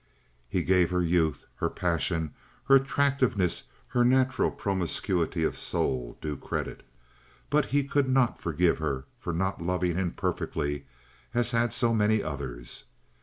He gave her youth, her passion, her attractiveness, her natural promiscuity of soul due credit; but he could not forgive her for not loving him perfectly, as had so many others.